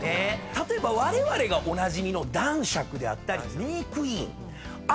例えばわれわれがおなじみの男爵であったりメークインあれ